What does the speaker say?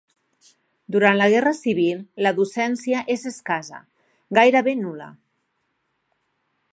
Durant la Guerra Civil, la docència és escassa, gairebé nul·la.